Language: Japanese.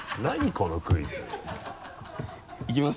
このクイズ。いきます。